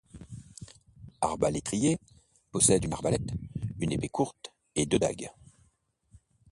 Arbalétrier, possède une arbalète, une épée courte et deux dagues.